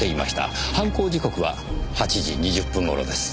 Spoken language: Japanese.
犯行時刻は８時２０分頃です。